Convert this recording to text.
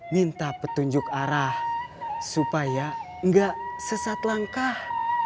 minta petunjuk arah supaya nggak sesat langkah